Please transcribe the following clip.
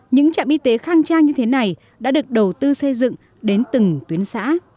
những trạm y tế khang trang như thế này đã được đầu tư xây dựng đến từng tuyến xã